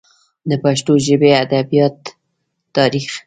د پښتو ژبې ادبیاتو تاریخ